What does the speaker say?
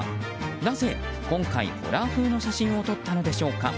なぜ今回ホラー風の写真を撮ったのでしょうか。